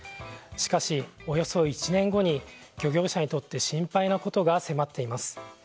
しかし、およそ１年後に漁業者にとって心配なことが迫っています。